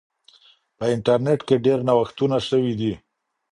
په انټرنیټ کې ډیر نوښتونه سوي دي.